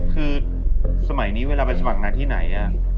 คือสมัยนี้เวลาไปสมัครงานที่ไหน